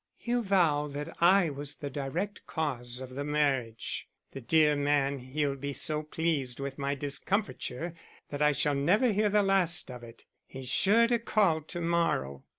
"He'll vow that I was the direct cause of the marriage. The dear man, he'll be so pleased with my discomfiture that I shall never hear the last of it. He's sure to call to morrow."